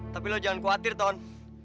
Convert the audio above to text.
tapi loh jangan khawatir ton